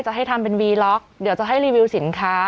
ให้ทำเป็นวีล็อกเดี๋ยวจะให้รีวิวสินค้า